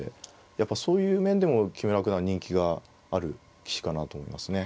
やっぱそういう面でも木村九段人気がある棋士かなと思いますね。